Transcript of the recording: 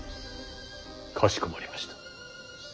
かしこまりました。